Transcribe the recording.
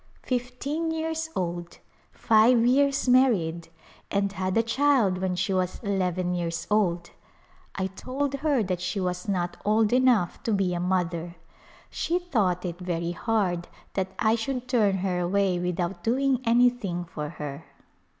Fifteen years old, five years married, and had a child when she was eleven years old ! I told her that she was not old enough to be a mother. She thought it very hard that I should turn her away without doing anything for her.